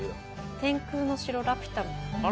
『天空の城ラピュタ』。